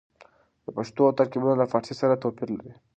د پښتو ترکيبونه له فارسي سره توپير لري.